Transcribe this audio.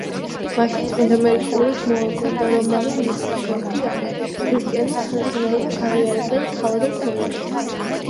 მაშინ წმინდა მერკურის მოაგონდა, რომ მამამისი, გორდიანე, ქრისტიანულ სარწმუნოებას აღიარებდა და თავადაც მოინათლა.